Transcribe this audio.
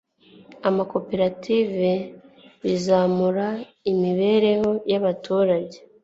amakoperative bizamura imibereho yabaturage